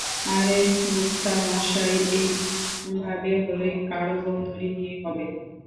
আরে গুপ্তামশাই, এইভাবে হলে কারো বন্ধুরই বিয়ে হবে।